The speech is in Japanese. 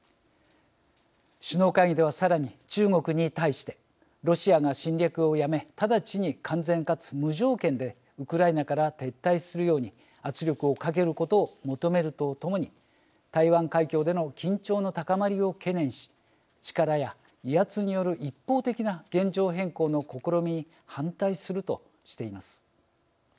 首脳会議ではさらに、中国に対してロシアが侵略をやめ直ちに完全かつ無条件でウクライナから撤退するように圧力をかけることを求めるとともに台湾海峡での緊張の高まりを懸念し力や威圧による一方的な現状変更の試みに反対するとしています。